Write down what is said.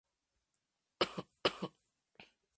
Contribuyó marcando dos goles.